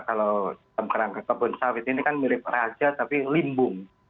kalau dalam kerangka kebun sawit ini kan mirip raja tapi limbung